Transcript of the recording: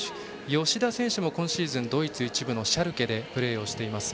吉田選手も今シーズンドイツ１部シャルケでプレーしています。